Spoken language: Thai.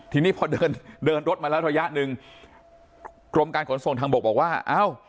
ทีนี้พอเดินเดินรถมาแล้วระยะหนึ่งกรมการขนส่งทางบกบอกว่าอ้าว